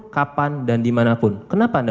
kapan dan dimanapun kenapa anda